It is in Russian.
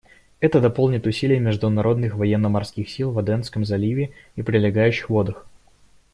Это дополнит усилия международных военно-морских сил в Аденском заливе и прилегающих водах.